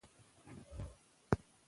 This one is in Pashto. د فوټبال لوبغاړي چټک او قوي فایبرونه لري.